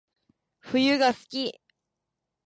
冬が好き